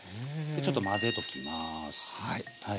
ちょっと混ぜときます。